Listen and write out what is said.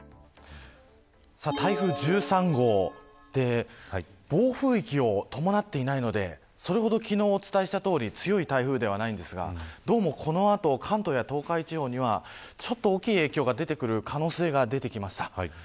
台風１３号暴風域を伴っていないので昨日お伝えしたとおりそれほど強い台風ではないんですがこの後、関東や東海地方にはちょっと大きい影響が出る可能性が出てきました。